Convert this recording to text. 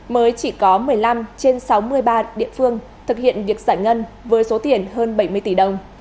mới chỉ có một mươi năm trên sáu mươi ba địa phương thực hiện việc giải ngân với số tiền hơn bảy mươi tỷ đồng